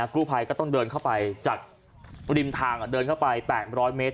กู้ภัยก็ต้องเดินเข้าไปจากริมทางเดินเข้าไป๘๐๐เมตร